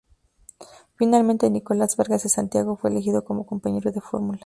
Finalmente, Nicolas Vargas de Santiago fue elegido como compañero de fórmula.